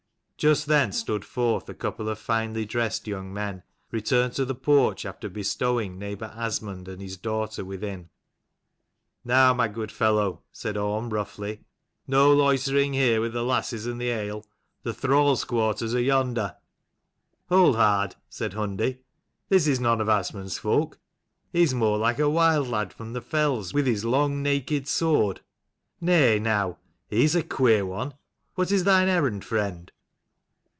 Just then stood forth a couple of finely dressed young men, returned to the porch after bestowing neighbour Asmund and his daughter within. "Now, my good fellow," said Orm roughly, " no loitering here with the lasses and the ale. The thrall's quarters are yonder." "Hold hard," said Hundi. "This is none of Asmund's folk. He is more like a wild lad from the fells, with his long naked sword. Nay now, he is a queer one. What is thine errand, friend?"